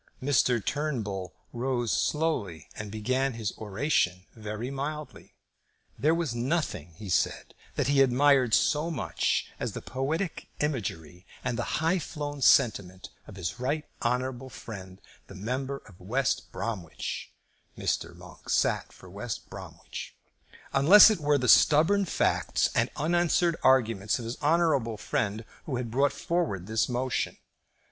Mr. Turnbull rose slowly and began his oration very mildly. "There was nothing," he said, "that he admired so much as the poetic imagery and the high flown sentiment of his right honourable friend the member for West Bromwich," Mr. Monk sat for West Bromwich, "unless it were the stubborn facts and unanswered arguments of his honourable friend who had brought forward this motion."